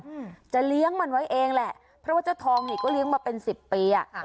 อืมจะเลี้ยงมันไว้เองแหละเพราะว่าเจ้าทองนี่ก็เลี้ยงมาเป็นสิบปีอ่ะค่ะ